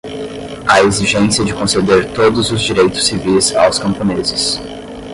à exigência de conceder todos os direitos civis aos camponeses